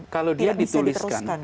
kalau dia dituliskan